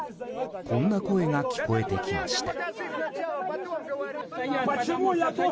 こんな声が聞こえてきました。